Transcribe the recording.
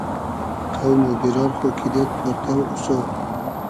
قۆم و بیرار خو کیدېد پۉرتۆ اوسۉ